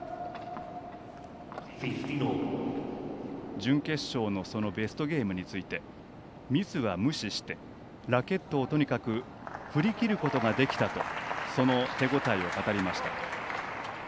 準決勝のベストゲームについてミスは無視してラケットをとにかく振り切ることができたとその手応えを語りました。